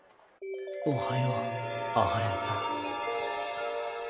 おはよう阿波連さん。